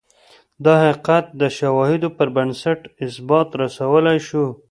دا حقیقت د شواهدو پربنسټ اثبات رسولای شو.